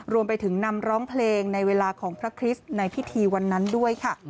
รวมไปถึงนำร้องเพลงในเวลาของพระคริสต์ในพิธีวันนั้นด้วยค่ะ